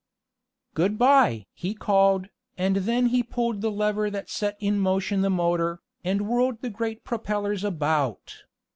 "Good by!" he called, and then he pulled the lever that set in motion the motor, and whirled the great propellers about.